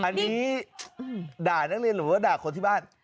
อันนี้ด่านักเรียนหรือว่าด่าคนที่บ้าน